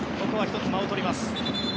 ここは１つ間をとります。